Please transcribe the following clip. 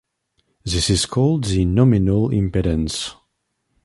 This is called the "nominal impedance".